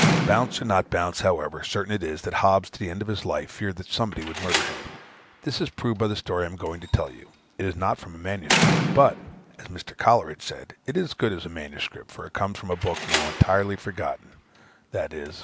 Bounce or not bounce, however, certain it is, that Hobbes, to the end of his life, feared that somebody would murder him. This is proved by the story I am going to tell you: it is not from a manuscript, but, (as Mr. Coleridge says,) it is as good as manuscript; for it comes from a book now entirely forgotten, viz.